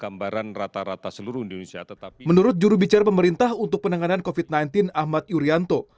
menurut jurubicara pemerintah untuk penanganan covid sembilan belas ahmad yuryanto